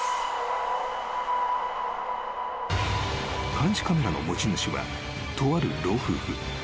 ［監視カメラの持ち主はとある老夫婦］